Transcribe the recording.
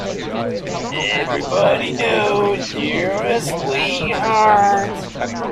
Everybody knows you're a sweetheart.